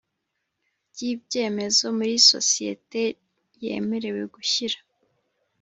ry ibyemezo muri sosiyete yemerewe gushyira